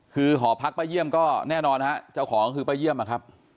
คือหอพักป้าเยี่ยมก็แน่นอนฮะเจ้าของก็คือป้าเยี่ยมนะครับ